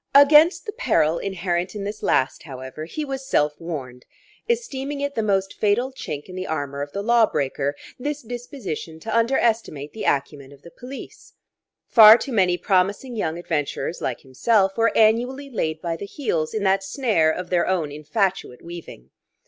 Against the peril inherent in this last, however, he was self warned, esteeming it the most fatal chink in the armour of the lawbreaker, this disposition to underestimate the acumen of the police: far too many promising young adventurers like himself were annually laid by the heels in that snare of their own infatuate weaving.